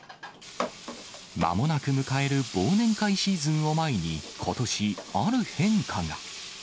まもなく迎える忘年会シーズンを前に、ことし、ある変化が。